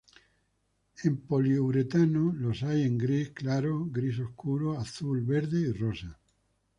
En poliuretano los hay en gris claro, gris oscuro, azul, verde y rosa.